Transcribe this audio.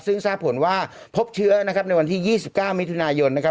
ซึ่งทราบผลว่าพบเชื้อนะครับในวันที่๒๙มิถุนายนนะครับ